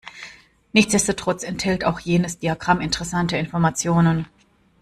Nichtsdestotrotz enthält auch jenes Diagramm interessante Informationen.